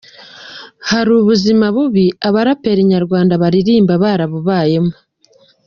Hari ubuzima bubi Abaraperi nyarwanda baririmba barabubayemo